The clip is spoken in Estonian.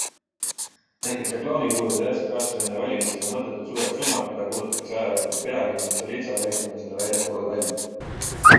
Näiteks reklaamikulude järsk kasv enne valimisi ja mõttetult suured summad, mida kulutatakse ajalehtede Pealinn ja Stolitsa levitamisele väljaspoole Tallinna.